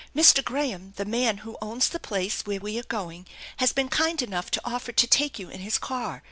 Mr. Graham, the man who owns the place where we are going, has been kind enough to offer to take you in his car.